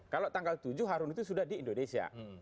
kalau tanggal tujuh harun itu sudah di indonesia